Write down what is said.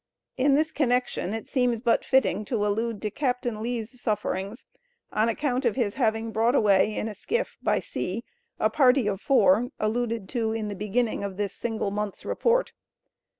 In this connection it seems but fitting to allude to Captain Lee's sufferings on account of his having brought away in a skiff, by sea, a party of four, alluded to in the beginning of this single month's report.